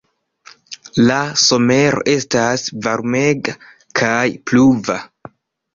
La somero estas varmega kaj pluva.